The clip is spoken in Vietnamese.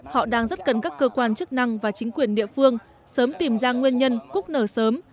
họ đang rất cần các cơ quan chức năng và chính quyền địa phương sớm tìm ra nguyên nhân cúc nở sớm